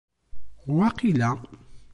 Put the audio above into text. Waqila.